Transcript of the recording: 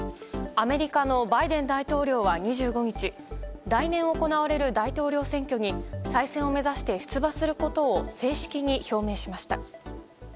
アメリカのバイデン大統領は２５日来年行われる大統領選挙に再選を目指して出馬することを正式に表明しました。